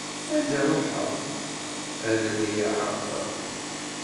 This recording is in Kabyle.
Anda ruḥeɣ, ad riɛeɣ.